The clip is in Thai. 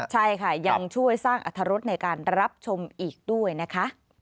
ใช่ค่ะยังช่วยสร้างอรรถรสในการรับชมอีกด้วยนะคะ